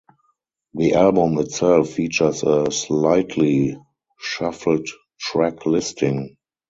The album itself features a slightly shuffled track listing.